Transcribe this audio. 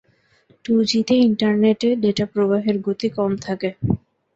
Two জিতে ইন্টারনেটে data প্রবাহের গতি কম থাকে।